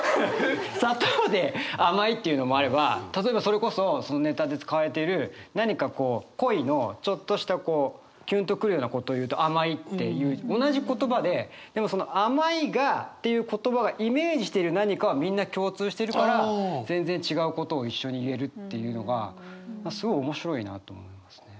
砂糖で甘いっていうのもあれば例えばそれこそネタで使われている何か恋のちょっとしたキュンと来るようなことを言うと甘いって言う同じ言葉ででもその甘いっていう言葉がイメージしている何かはみんな共通してるから全然違うことを一緒に言えるっていうのがすごい面白いなと思いますね。